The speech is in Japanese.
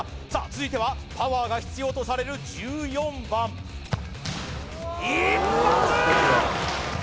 続いてはパワーが必要とされる１４番一発！